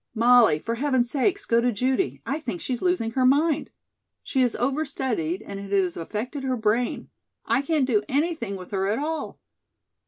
"Molly, for heaven's sake, go to Judy. I think she's losing her mind. She has overstudied and it has affected her brain. I can't do anything with her at all."